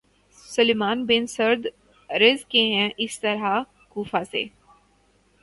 سلیمان بن سرد رض کے ہیں اسی طرح کوفہ سے